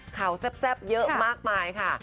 แซ่บเยอะมากมายค่ะ